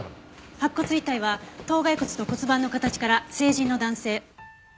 白骨遺体は頭蓋骨と骨盤の形から成人の男性。